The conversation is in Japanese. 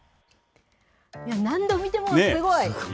いや、何度見てもすごい。